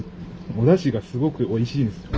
おだしがすごくおいしいんですよ。